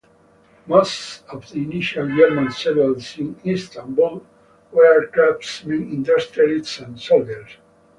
Most of the initial German settlers in Istanbul were craftsmen, industrialists and soldiers.